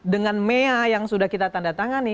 dengan mea yang sudah kita tanda tangani